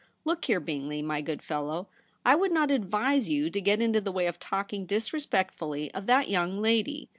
Look here, Bingley, my good fellow, I would not advise you to get into the way of talking disrespectfully of that young lady.